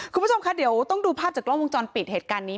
คุณผู้ชมคะเดี๋ยวต้องดูภาพจากกล้องวงจรปิดเหตุการณ์นี้